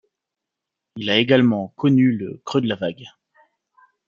Il a également connu le creux de la vague.